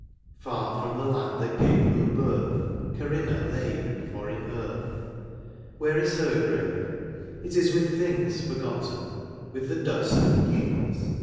Far from the land that gave them birth, Corinna lay in foreign earth : Where is her grave ? it is with things Forgotten, with the dust of kings.